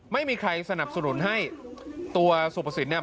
ไม่มีใครสนับสนุนให้ตัวสุภสินเนี่ย